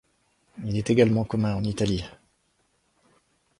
Il est également commun en Italie.